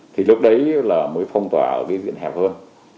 thì lúc đấy là mới phong tỏa ở cái diện hẹp hơn